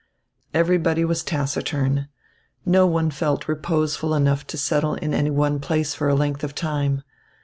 Everybody was taciturn. No one felt reposeful enough to settle in any one place for a length of time.